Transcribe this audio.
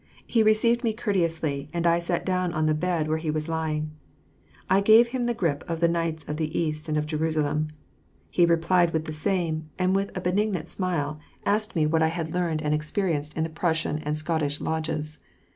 He received me courteously, and I sat down on the bed where he was lying. I gave him the grip of the Knights of the East and of Jerusalem. He replied with the same, and with a benignant smile asked me what 1 180 W^ti AUD PS ACS. » had learned and experienced in the Prussian and Scottish Lodges.